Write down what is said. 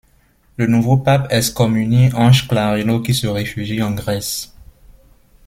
Le nouveau pape excommunie Ange Clareno qui se réfugie en Grèce.